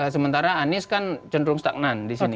sementara anies kan cenderung stagnan di sini